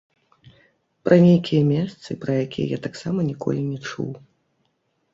Пра нейкія месцы, пра якія я таксама ніколі не чуў.